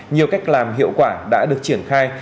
nhiều cách làm hiệu quả đã được triển khai